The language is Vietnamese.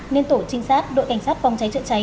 nên tổ trinh sát đội cảnh sát phòng cháy chữa cháy